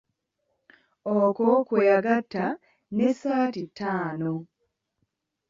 Okwo kwe yagatta n'essaati ttaano.